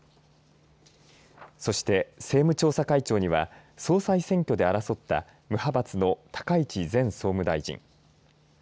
そして政務調査会長には総裁選挙で争った無派閥の高市前総務大臣。